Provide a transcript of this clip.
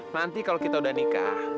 nanti kalau kita udah nikah